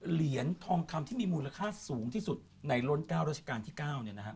เหรียญทองคำที่มีมูลค่าสูงที่สุดในร้นก้าวราชการที่๙เนี่ยนะครับ